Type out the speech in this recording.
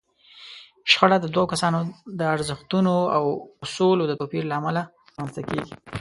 شخړه د دوو کسانو د ارزښتونو او اصولو د توپير له امله رامنځته کېږي.